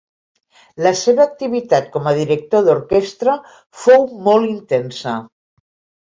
La seva activitat com a director d'orquestra fou molt intensa.